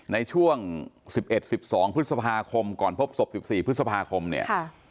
ในช่วง๑๑๑๒พฤษภาคมก่อนพบศพ๑๔พฤษภาคมเนี่ย